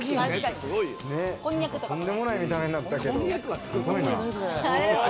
とんでもない見た目になったけど、すごいな。